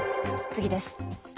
次です。